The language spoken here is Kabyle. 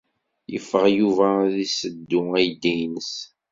Yeffeɣ Yuba ad yesseddu aydi-nnes.